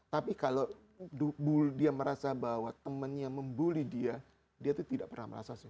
tapi kalau dia merasa bahwa temannya membuli dia dia itu tidak pernah merasa senang